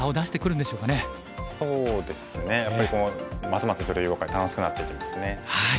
そうですねやっぱりますます女流囲碁界楽しくなっていきますね。